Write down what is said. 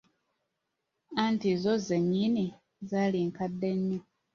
Anti zo zennyini zaali nkadde nnyo.